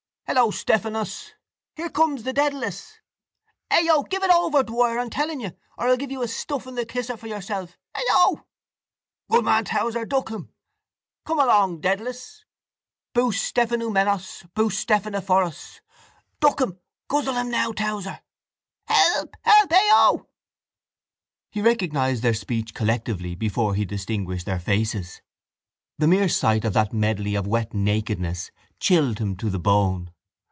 —Hello, Stephanos! —Here comes The Dedalus! —Ao!... Eh, give it over, Dwyer, I'm telling you, or I'll give you a stuff in the kisser for yourself.... Ao! —Good man, Towser! Duck him! —Come along, Dedalus! Bous Stephanoumenos! Bous Stephaneforos! —Duck him! Guzzle him now, Towser! —Help! Help!... Ao! He recognised their speech collectively before he distinguished their faces. The mere sight of that medley of wet nakedness chilled him to the bone.